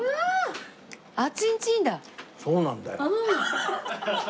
そうなんだよ。